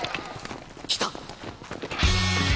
来た！